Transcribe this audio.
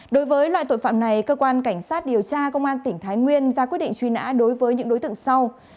đối với loại tội phạm này cơ quan cảnh sát điều tra công an tỉnh thái nguyên ra quyết định truy nã đối với những đối tượng sau